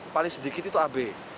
paling sedikit itu ab